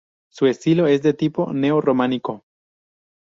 Su estilo es de tipo neo-románico.